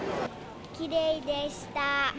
きれいでした。